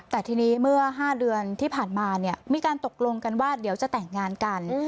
แต่ทีนี้เมื่อ๕เดือนที่ผ่านมาเนี่ยมีการตกลงกันว่าเดี๋ยวจะแต่งงานกัน